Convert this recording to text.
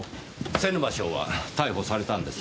瀬沼翔は逮捕されたんですか？